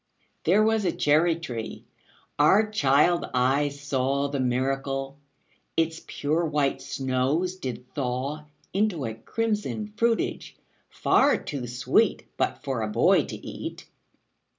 There was a cherry tree our child eyes saw The miracle: Its pure white snows did thaw Into a crimson fruitage, far too sweet But for a boy to eat.